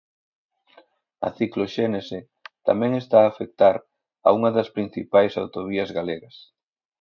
A cicloxénese tamén está a afectar a unha das principais autovías galegas.